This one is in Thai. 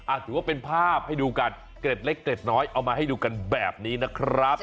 ถือว่าเป็นภาพให้ดูกันเกร็ดเล็กเกร็ดน้อยเอามาให้ดูกันแบบนี้นะครับ